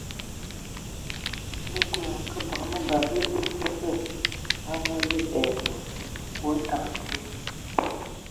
Ndɔ Kulu a ngake bǝgǝ mǝbɛ mǝ tsíd mǝsǝ a ngaligi ai mɔ : nkwe tǝgǝ dzye.